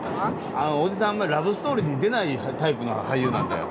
あんまりラブストーリーに出ないタイプの俳優なんだよ。